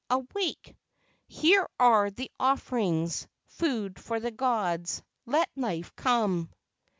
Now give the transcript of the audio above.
Awake! Here are the offerings,— Food for the gods: Let life come!"